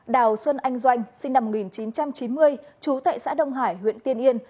đào xuân anh doanh sinh năm một nghìn chín trăm chín mươi chú tại xã đông hải huyện tiên yên